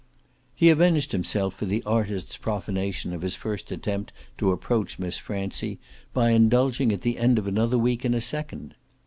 He avenged himself for the artist's profanation of his first attempt to approach Miss Francie by indulging at the end of another week in a second.